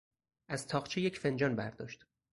از تاقچه یک فنجان برداشت.